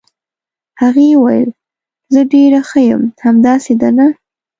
هغې وویل: زه ډېره ښه یم، همداسې ده، نه؟